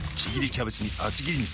キャベツに厚切り肉。